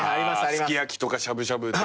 すき焼きとかしゃぶしゃぶ。